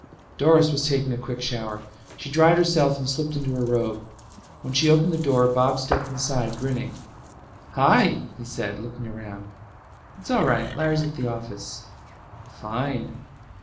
Doris was taking a quick shower. She dried herself and slipped into her robe. When she opened the door Bob stepped inside, grinning. "Hi," he said, looking around. "It's all right. Larry's at the office." "Fine."